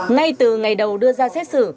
ngay từ ngày đầu đưa ra xét xử